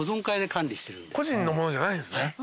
個人のものじゃないんすね。